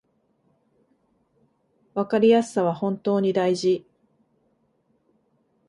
わかりやすさは本当に大事